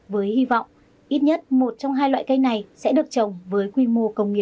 với hy vọng ít nhất một trong hai loại cây này sẽ được trồng với quy định